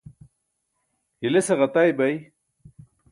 hilese ġatay bay